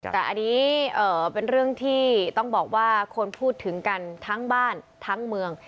แต่อันนี้เป็นเรื่องที่ต้องบอกว่าคนพูดถึงกันทั้งบ้านทั้งเมือง